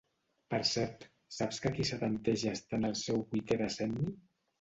Per cert, saps que qui setanteja està en el seu vuitè decenni?